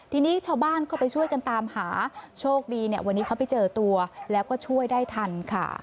ทีนี้ชาวบ้านเข้าไปช่วยกันตามหาโชคดีเนี่ยวันนี้เขาไปเจอตัวแล้วก็ช่วยได้ทันค่ะ